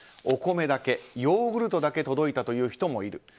お米だけ、ヨーグルトだけ届いたという人もいる。